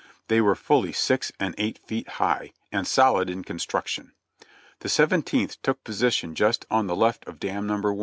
They were fully six and eight feet high, and solid in construction. The Seventeenth took position just on the left of Dam No. i.